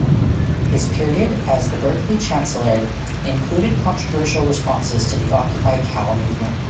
His period as the Berkeley chancellor included controversial responses to the Occupy Cal movement.